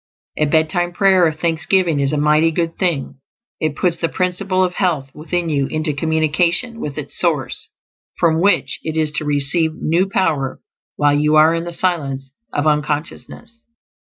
A bedtime prayer of thanksgiving is a mighty good thing; it puts the Principle of Health within you into communication with its source, from which it is to receive new power while you are in the silence of unconsciousness.